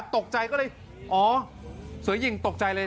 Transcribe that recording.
ตกใจก็เลยอ๋อเสือหญิงตกใจเลย